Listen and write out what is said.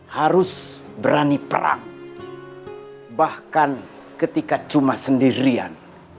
harus berani perang bahkan ketika cuma sendirian